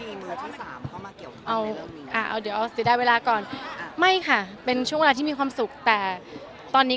ปูหลายหลายคนมองว่ามีมือที่สามเข้ามาเกี่ยวกับความในเรื่องนี้